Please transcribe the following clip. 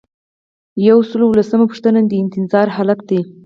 یو سل او لسمه پوښتنه د انتظار حالت دی.